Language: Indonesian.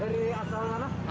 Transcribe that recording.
dari asal mana